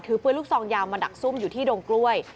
ปืนลูกซองยาวมาดักซุ่มอยู่ที่ดงกล้วย